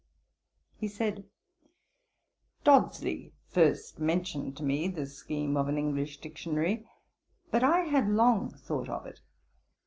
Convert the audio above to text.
He said, 'Dodsley first mentioned to me the scheme of an English Dictionary; but I had long thought of it.'